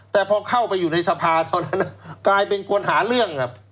แต่พอเข้าไปอยู่ในสภาเท่านั้นกลายเป็นคนหาเรื่องครับ